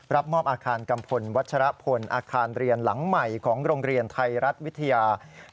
รับมอบอาคารกัมพลวัชรพลอาคารเรียนหลังใหม่ของโรงเรียนไทยรัฐวิทยา